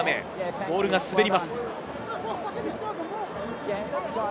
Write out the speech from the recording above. ボールが滑ります。